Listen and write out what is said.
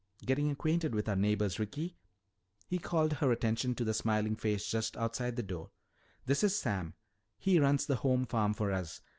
"Getting acquainted with our neighbors. Ricky," he called her attention to the smiling face just outside the door, "this is Sam. He runs the home farm for us.